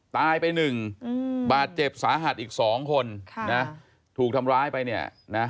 ตายไปหนึ่งอืมบาดเจ็บสาหัสอีกสองคนค่ะนะถูกทำร้ายไปเนี่ยนะ